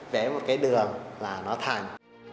vẽ một cái đường là nó thành